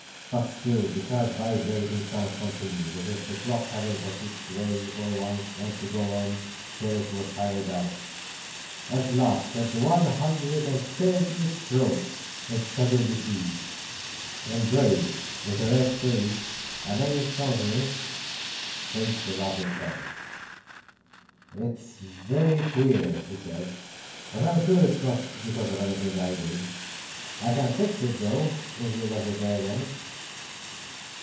But still the sharp, vibrating sounds continued, as if the clock, having got its own way for once, meant to go on till it was tired out. At last, at the one hundred and thirtieth stroke, it suddenly ceased; and Dorry, with a red, amazed countenance, faced the laughing company. "It's very queer," he said, "but I'm sure it's not because of anything I did. I can fix it, though, if you'll let me try again.